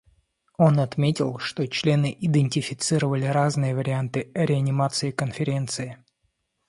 Он отметил, что члены идентифицировали разные варианты реанимации Конференции.